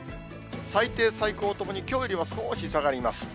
最低、最高ともにきょうよりは少し下がります。